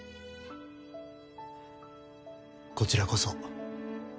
こちらこそ。